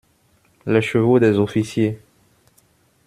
Les chevaux des officiers!